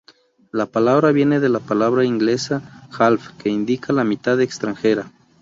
La palabra viene de la palabra inglesa "half" que indica la mitad extranjera.